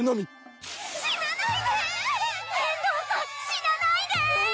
死なないで！